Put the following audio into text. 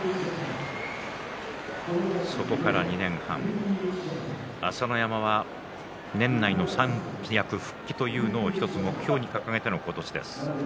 そこから２年半、朝乃山は年内の三役復帰というのを１つ目標に掲げての今年です。